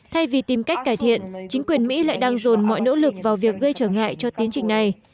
thay vì tìm cách cải thiện chính quyền mỹ lại đang dồn mọi nỗ lực vào việc gây trở ngại cho tiến trình này